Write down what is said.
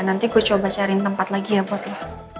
nanti gue coba cariin tempat lagi ya buat lo